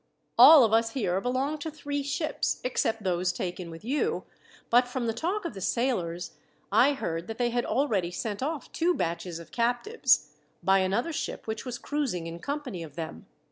All of us here belong to three ships, except those taken with you; but from the talk of the sailors, I heard that they had already sent off two batches of captives, by another ship which was cruising in company of them.